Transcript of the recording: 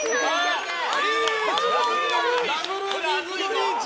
リーチ！